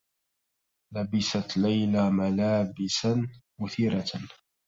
لبست ليلى ملابسا مثيرة.